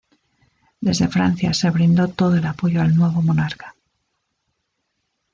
Desde Francia se brindó todo el apoyo al nuevo monarca.